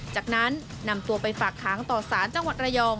จากนั้นนำตัวไปฝากค้างต่อสารจังหวัดระยอง